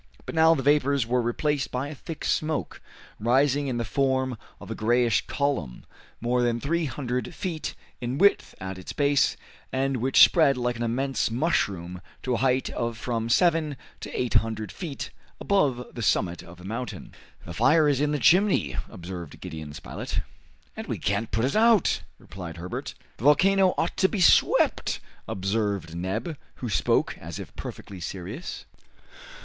But now the vapors were replaced by a thick smoke, rising in the form of a grayish column, more than three hundred feet in width at its base, and which spread like an immense mushroom to a height of from seven to eight hundred feet above the summit of the mountain. "The fire is in the chimney," observed Gideon Spilett. "And we can't put it out!" replied Herbert. "The volcano ought to be swept," observed Neb, who spoke as if perfectly serious.